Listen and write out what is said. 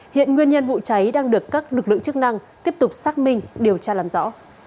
hiện nguyên nhân vụ cháy đang được các lực lượng chức năng tiếp tục xác minh điều tra làm rõ